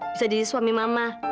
bisa jadi suami mama